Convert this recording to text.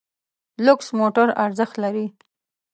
لوکس موټر ارزښت لري.